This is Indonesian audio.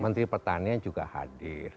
menteri pertanian juga hadir